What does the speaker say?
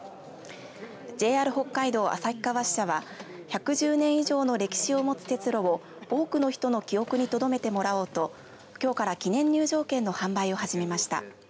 ＪＲ北海道旭川支社は１１０年以上の歴史を持つ鉄路を多くの人の記憶にとどめてもらおうときょうから記念入場券の販売を始めました。